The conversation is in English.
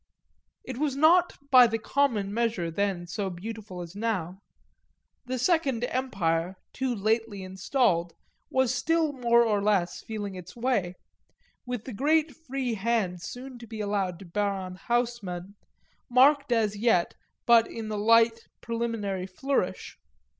It was not by the common measure then so beautiful as now; the second Empire, too lately installed, was still more or less feeling its way, with the great free hand soon to be allowed to Baron Haussmann marked as yet but in the light preliminary flourish.